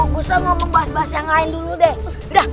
gak usah ngomong bahas bahas yang lain dulu deh